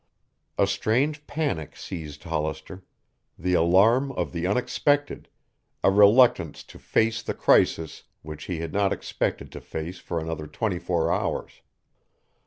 A strange panic seized Hollister, the alarm of the unexpected, a reluctance to face the crisis which he had not expected to face for another twenty four hours.